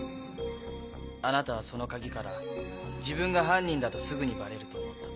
あなたはその鍵から自分が犯人だとすぐにバレると思った。